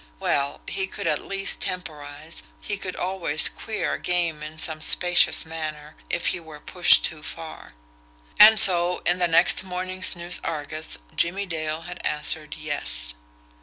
Well, he could at least temporise, he could always "queer" a game in some specious manner, if he were pushed too far. And so, in the next morning's NEWS ARGUS, Jimmie Dale had answered "yes."